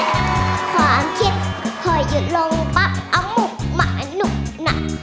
ถ้าความคิดคอยหยุดลงปั๊บอมมุมหมาหนุ่มหนัก